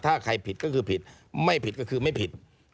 ถ้าใครผิดก็คือผิดไม่ผิดก็คือไม่ผิด